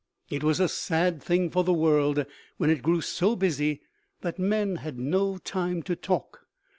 It was a sad thing for the world when it grew so busy that men had no time to talk.